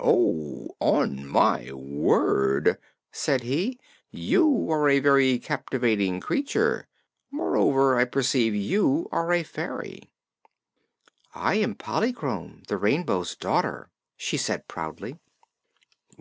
"On my word," said he, "you are a very captivating creature; moreover, I perceive you are a fairy." "I am Polychrome, the Rainbow's Daughter," she said proudly.